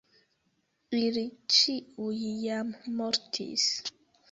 Ili ĉiuj jam mortis.